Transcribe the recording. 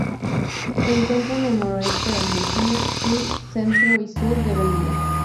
Se encuentra en el noroeste de Argentina, y centro y sur de Bolivia.